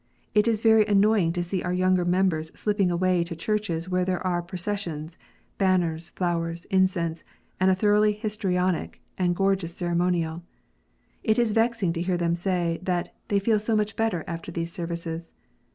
It is very annoying to see our younger members slipping away to churches where there are processions, banners, flowers, incense, and a thoroughly histrionic and gorgeous ceremonial. It is vexing to hear them say, that " they feel so much better after these services."